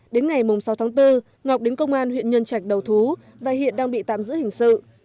đến ngày sáu tháng bốn ngọc đến công an huyện nhân trạch đầu thú và hiện đang bị tạm giữ hình sự